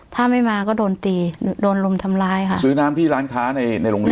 ถ้าไม่มาก็โดนตีโดนรุมทำร้ายค่ะซื้อน้ำที่ร้านค้าในในโรงเรียน